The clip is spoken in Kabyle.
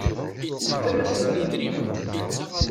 Tefkam-asent-tent-id.